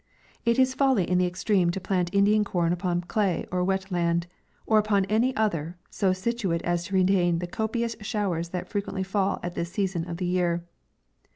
It is folly in the extreme to plant Indian corn upon clay or wet land, or upon any other, so situate as to retain the copious showers that frequently fall at this season of the year.